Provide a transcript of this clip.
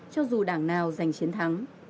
cho dù đảng nào giành chiến thắng